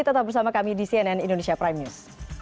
tetap bersama kami di cnn indonesia prime news